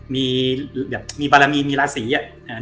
มีแบบมีบารมีมีราศีอะ